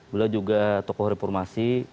beliau juga tokoh reformasi